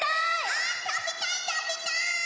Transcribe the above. あたべたいたべたい！